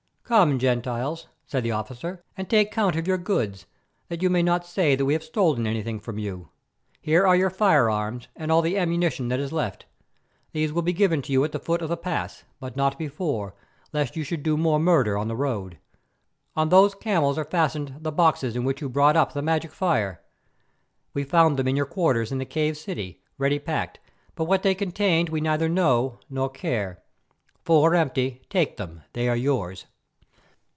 "Come, Gentiles," said the officer, "and take count of your goods, that you may not say that we have stolen anything from you. Here are your firearms and all the ammunition that is left. These will be given to you at the foot of the pass, but not before, lest you should do more murder on the road. On those camels are fastened the boxes in which you brought up the magic fire. We found them in your quarters in the cave city, ready packed, but what they contain we neither know nor care. Full or empty, take them, they are yours.